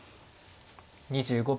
２５秒。